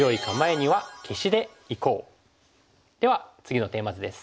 では次のテーマ図です。